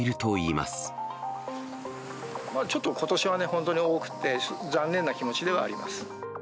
まあちょっとことしは本当に多くって、残念な気持ちではあります。